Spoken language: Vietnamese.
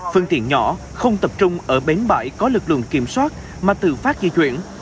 phương tiện nhỏ không tập trung ở bến bãi có lực lượng kiểm soát mà tự phát di chuyển